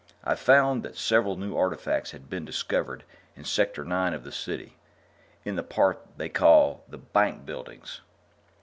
"I found that several new artifacts had been discovered in Sector Nine of the City in the part they call the Bank Buildings.